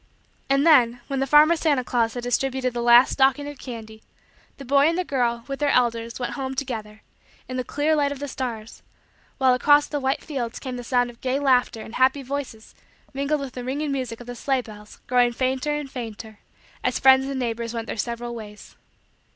And then, when the farmer Santa Claus had distributed the last stocking of candy, the boy and the girl, with their elders, went home together, in the clear light of the stars; while, across the white fields, came the sound of gay laughter and happy voices mingled with the ringing music of the sleigh bells growing fainter and fainter as friends and neighbors went their several ways.